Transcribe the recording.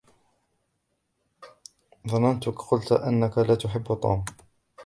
ظننتك قلت أنك لا تحب توم.